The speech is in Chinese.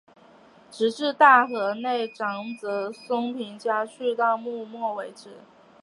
直至大河内长泽松平家去到幕末为止。